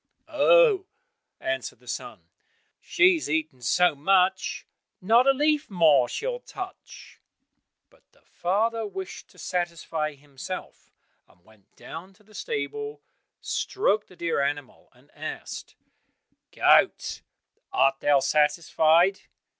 "Oh," answered the son, "she has eaten so much, not a leaf more she'll touch." But the father wished to satisfy himself, and went down to the stable, stroked the dear animal and asked, "Goat, art thou satisfied?"